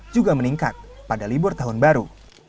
juga meningkat pada libur tahun baru